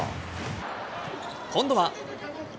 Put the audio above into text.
今度は。